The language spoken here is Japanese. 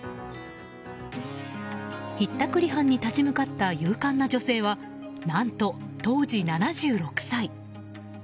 ひったくり犯に立ち向かった勇敢な女性は何と、当時７６歳。